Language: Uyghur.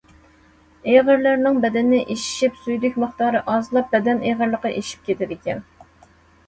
ئېغىرلىرىنىڭ بەدىنى ئىششىپ، سۈيدۈك مىقدارى ئازلاپ، بەدەن ئېغىرلىقى ئېشىپ كېتىدىكەن.